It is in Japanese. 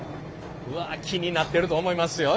うわ気になってると思いますよ